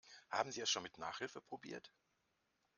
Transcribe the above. Haben Sie es schon mit Nachhilfe probiert?